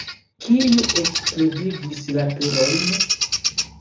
Kiu eksplodigis la turojn?